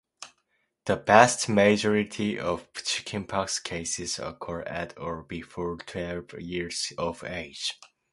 The vast majority of chickenpox cases occur at or before twelve years of age.